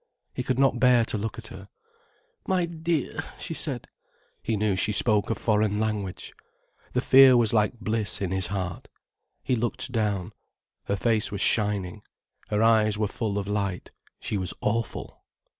He could not bear to look at her. "My dear!" she said. He knew she spoke a foreign language. The fear was like bliss in his heart. He looked down. Her face was shining, her eyes were full of light, she was awful.